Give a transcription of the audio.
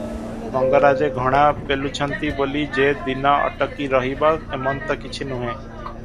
ମଙ୍ଗରାଜେ ଘଣା ପେଲୁଛନ୍ତି ବୋଲି ଯେ ଦିନ ଅଟକି ରହିବ, ଏମନ୍ତ କିଛି ନୁହେଁ ।